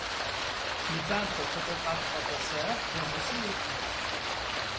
Le peintre-photographe-professeur donne aussi des cours.